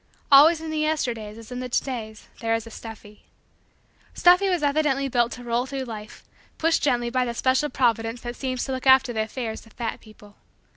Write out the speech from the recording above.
Always in the Yesterdays, as in the to days, there is a "Stuffy." "Stuffy" was evidently built to roll through life, pushed gently by that special providence that seems to look after the affairs of fat people.